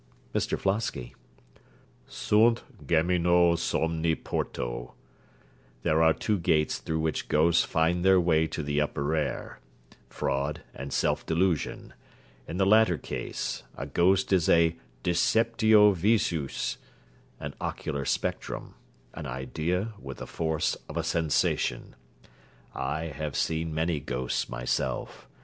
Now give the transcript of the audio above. MR FLOSKY Sunt geminoe somni portoe. There are two gates through which ghosts find their way to the upper air: fraud and self delusion. In the latter case, a ghost is a deceptio visûs, an ocular spectrum, an idea with the force of a sensation. I have seen many ghosts myself.